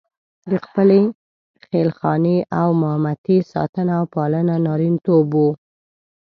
د خپلې خېل خانې او مامتې ساتنه او پالنه نارینتوب وو.